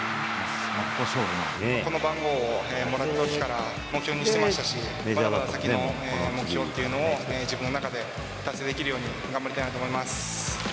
この番号をもらったときから目標にしてましたし、まだまだ先の目標っていうのを、自分の中で達成できるように頑張りたいなと思います。